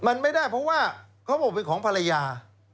มันไม่ได้เพราะว่าเขาบอกเป็นของภรรยา